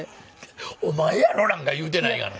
「お前やろ」なんか言うてないがな！